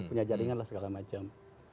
punya jaringan lah segala macam